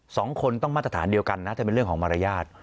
สองคนต้องมาตรฐานเดียวกันนะถ้าเป็นเรื่องของมารยาท